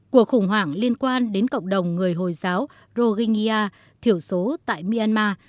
cuộc khủng hoảng liên quan đến cộng đồng người hồi giáo roginia thiểu số tại myanmar